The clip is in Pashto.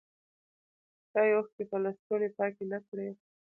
چایې اوښکي په لستوڼي پاکي نه کړې